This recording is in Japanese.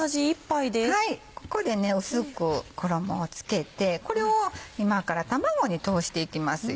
ここで薄く衣を付けてこれを今から卵に通していきますよ。